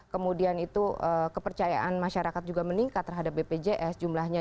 kemudian itu kepercayaan masyarakat juga meningkat terhadap bpjs jumlahnya